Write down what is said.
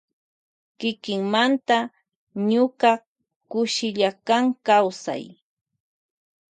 Kikimanda ñuka kausai kushillakan.